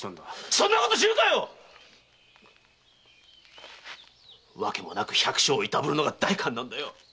そんなこと知るかよっ‼わけもなく百姓をいたぶるのが代官なんだよ。